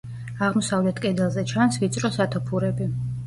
აღმოსავლეთ კედელზე ჩანს ვიწრო სათოფურები.